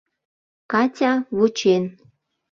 Катя вучен...